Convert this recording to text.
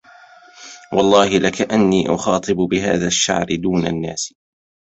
وَاَللَّهِ لِكَأَنِّي أُخَاطَبُ بِهَذَا الشَّعْرِ دُونَ النَّاسِ